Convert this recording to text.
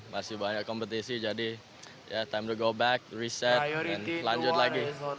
masih banyak kompetisi jadi ya time to go back reset lanjut lagi